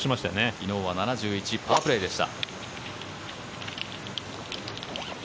昨日は７１パワープレーでした。